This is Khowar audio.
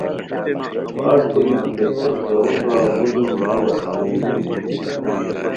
خاص کوری ہتے څیق ژاؤو سورا بو ظلم باؤ اسیتائے